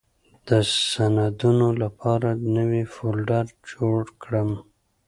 د سندونو لپاره نوې فولډر جوړه کړم.